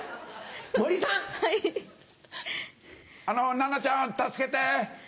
あの七菜ちゃん助けて！